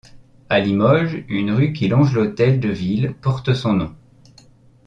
À Limoges, une rue qui longe l'hôtel de ville porte son nom.